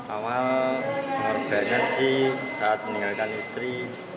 awal mengharganya sih saat meninggalkan istri